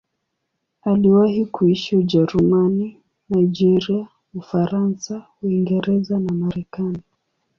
Aliwahi kuishi Ujerumani, Nigeria, Ufaransa, Uingereza na Marekani.